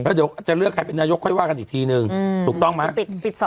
แล้วเดี๋ยวจะเลือกใครเป็นนายกค่อยว่ากันอีกทีนึงถูกต้องไหม